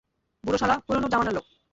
বুড়ো শালা পুরনো জামানার লোক।